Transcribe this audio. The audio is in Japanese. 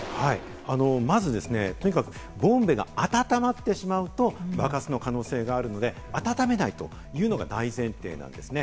ボンベが温まってしまうと爆発の可能性があるので温めないというのが大前提なんですね。